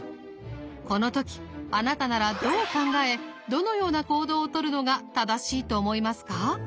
この時あなたならどう考えどのような行動をとるのが正しいと思いますか？